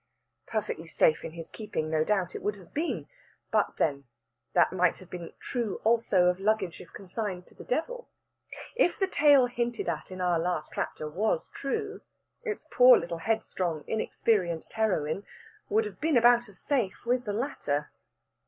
Perfectly safe in his keeping no doubt it would have been. But, then, that might have been true also of luggage if consigned to the Devil. If the tale hinted at in our last chapter was true, its poor little headstrong, inexperienced heroine would have been about as safe with the latter.